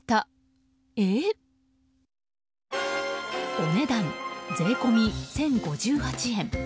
お値段、税込み１０５８円。